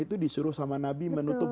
itu disuruh sama nabi menutup